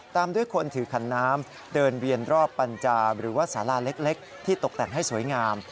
ตามด้วยคนถือขันน้ำเดินเวียนรอบปัญจาหรือว่าสาราเล็กที่ตกแต่งให้สวยงาม